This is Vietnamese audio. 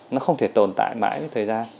nó không thể tồn tại mãi với thời gian